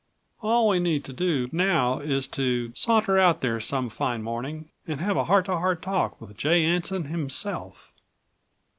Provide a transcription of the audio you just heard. "All we need to do now is to saunter out there some fine morning and have a heart to heart talk with J. Anson himself."